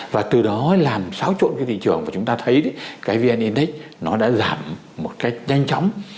và từ đó làm xáo trộn cái thị trường mà chúng ta thấy cái vn index nó đã giảm một cách nhanh chóng